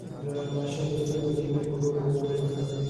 د ماشوم د سترګو تمرين په لوبو وکړئ.